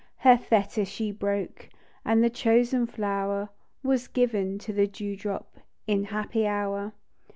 Her fetter she broke, And the chosen flower Was given to the dew drop In happy hour.